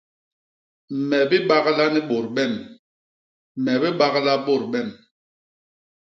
Me bibagla ni bôt bem, me bibagla bôt bem.